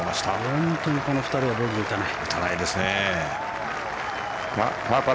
本当にこの２人はボギー打たない。